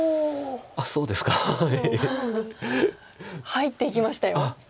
入っていきましたよ。